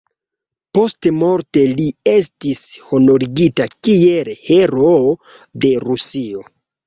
Postmorte li estis honorigita kiel Heroo de Rusio.